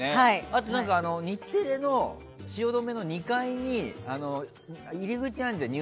あと、日テレの汐留の２階に入り口あるじゃん。